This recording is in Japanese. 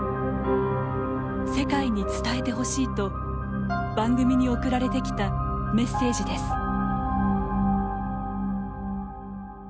世界に伝えて欲しいと、番組に送られてきたメッセージです。